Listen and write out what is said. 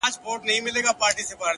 فکرونه د راتلونکو ورځو معماران دي,